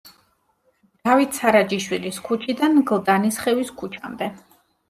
დავით სარაჯიშვილის ქუჩიდან გლდანისხევის ქუჩამდე.